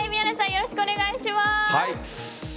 よろしくお願いします。